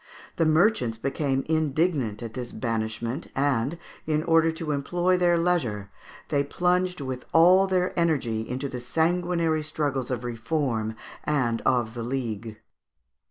The merchants became indignant at this banishment, and, in order to employ their leisure, they plunged with all their energy into the sanguinary struggles of Reform and of the League.